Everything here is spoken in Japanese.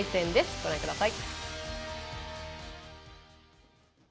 ご覧ください。